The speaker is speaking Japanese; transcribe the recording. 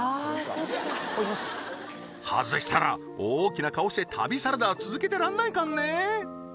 そっか外したら大きな顔して旅サラダは続けてらんないかんね